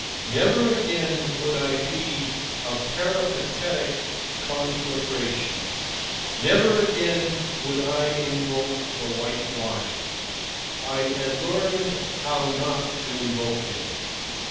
Never again would I be a peripatetic conflagration. Never again would I invoke the White Logic. I had learned how not to invoke him.